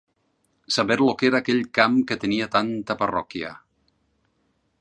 Saber lo que era aquell camp que tenia tanta parroquia.